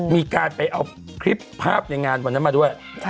มีการไปเอาคลิปภาพในงานวันนั้นมาด้วย